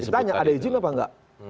kita tanya ada izin apa enggak